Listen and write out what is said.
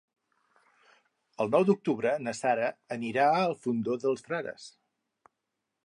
El nou d'octubre na Sara anirà al Fondó dels Frares.